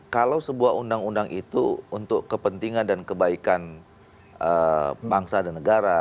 kalau sebuah undang undang itu untuk kepentingan dan kebaikan bangsa dan negara